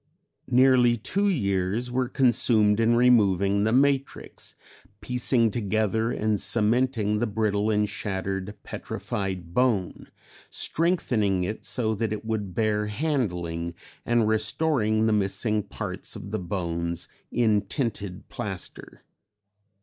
Nearly two years were consumed in removing the matrix, piecing together and cementing the brittle and shattered petrified bone, strengthening it so that it would bear handling, and restoring the missing parts of the bones in tinted plaster.